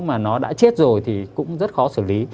mà nó đã chết rồi thì cũng rất khó xử lý